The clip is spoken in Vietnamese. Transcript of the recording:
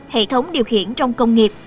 hệ thống điều khiển trong công nghiệp